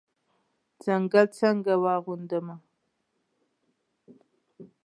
ځنګل څنګه واغوندمه